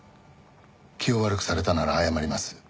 気を悪くされたなら謝ります。